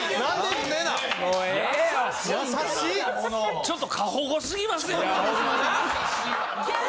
ちょっと過保護すぎますよ。